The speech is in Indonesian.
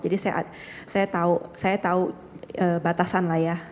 jadi saya tahu batasan lah ya